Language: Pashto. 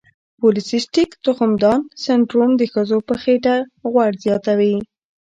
پولی سیسټیک تخمدان سنډروم د ښځو په خېټه غوړ زیاتوي.